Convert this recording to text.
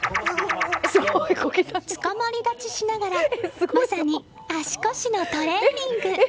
つかまり立ちしながらまさに、足腰のトレーニング。